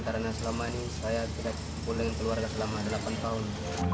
karena selama ini saya tidak bertempur dengan keluarga selama delapan tahun